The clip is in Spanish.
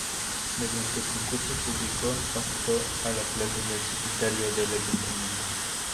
Mediante concurso público optó a la plaza de secretario del ayuntamiento.